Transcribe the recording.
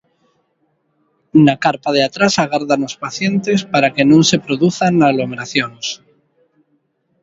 Na carpa de atrás agardan os pacientes para que non se produzan aglomeracións.